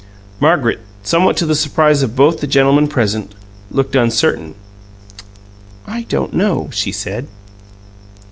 Margaret, somewhat to the surprise of both the gentlemen present, looked uncertain. "I don't know," she said.